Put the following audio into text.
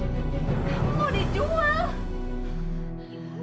kamu mau dijual